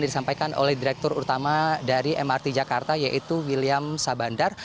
disampaikan oleh direktur utama dari mrt jakarta yaitu william sabandar